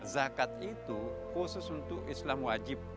zakat itu khusus untuk islam wajib